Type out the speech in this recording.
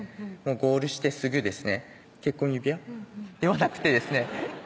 ゴールしてすぐですね結婚指輪ではなくてですね